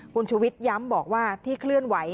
คุณชุวิตย้ำบอกว่าที่เคลื่อนไหว